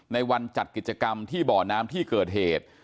ในวันจัดกิจกรรมที่บ่อน้ำที่เกิดเหตุ